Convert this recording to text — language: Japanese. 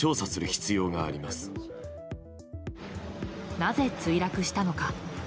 なぜ、墜落したのか。